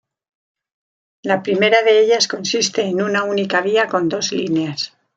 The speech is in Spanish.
La primera de ellas consiste en una única vía con dos líneas.